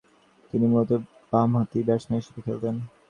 তিনি মূলতঃ বামহাতি ব্যাটসম্যান হিসেবে খেলতেন।